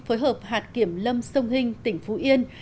phối hợp hạt kiểm lâm sông hinh tỉnh phú yên